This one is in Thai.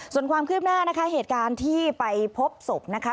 ส่วนความคืบหน้านะคะเหตุการณ์ที่ไปพบศพนะคะ